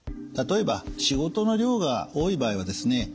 例えば仕事の量が多い場合はですね